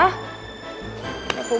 ya aku bahas dulu